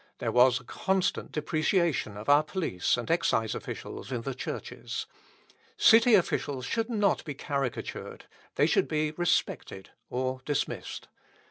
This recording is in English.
There was a constant depreciation of our police and excise officials in the churches. City officials should not be caricatured they should be respected, or dismissed.